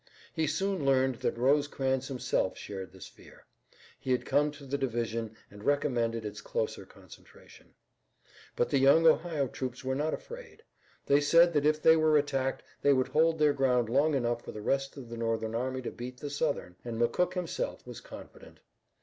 He soon learned that Rosecrans himself shared this fear. He had come to the division and recommended its closer concentration. But the young Ohio troops were not afraid. They said that if they were attacked they would hold their ground long enough for the rest of the Northern army to beat the Southern, and McCook himself was confident.